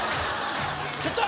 ちょっと！